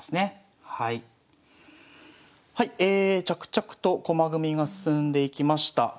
着々と駒組みが進んでいきました。